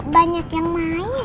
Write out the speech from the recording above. banyak yang main